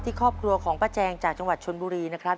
ครอบครัวของป้าแจงจากจังหวัดชนบุรีนะครับ